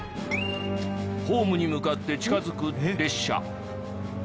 ホームに向かって近づく列車。